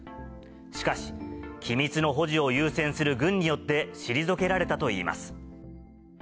しかし機密の保持を優先する軍によって退けられたといいます。